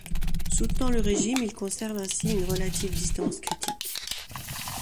Soutenant le régime, il conserve ainsi une relative distance critique.